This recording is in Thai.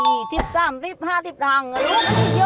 เงินลูกมันไม่เยอะอยู่น่ะ